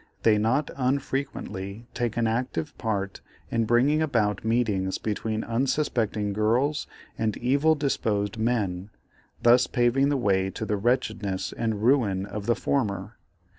They not unfrequently take an active part in bringing about meetings between unsuspecting girls and evil disposed men, thus paving the way to the wretchedness and ruin of the former.